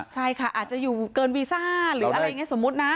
ใช่ค่ะอาจจะอยู่เกินวีซ่าหรืออะไรอย่างนี้สมมุตินะ